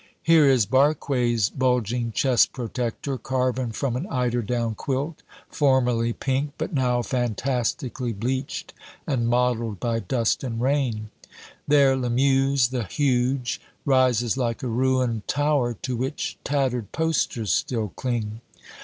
Here is Barque's bulging chest protector, carven from an eiderdown quilt, formerly pink, but now fantastically bleached and mottled by dust and rain. There, Lamuse the Huge rises like a ruined tower to which tattered posters still cling.